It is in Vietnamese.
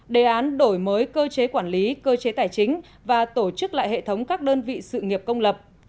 đề án đổi mới cơ chế quản lý cơ chế tài chính và tổ chức lại hệ thống các đơn vị sự nghiệp công lập